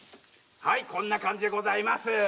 こんな感じでございます。